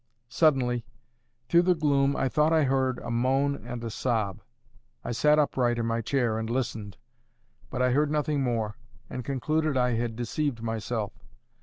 Suddenly through the gloom I thought I heard a moan and a sob. I sat upright in my chair and listened. But I heard nothing more, and concluded I had deceived myself.